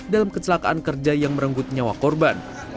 dalam kecelakaan kerja yang merenggut nyawa korban